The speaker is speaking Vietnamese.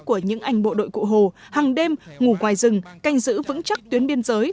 của những anh bộ đội cụ hồ hàng đêm ngủ ngoài rừng canh giữ vững chắc tuyến biên giới